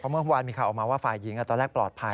เมื่อวานมีข่าวออกมาว่าฝ่ายหญิงตอนแรกปลอดภัย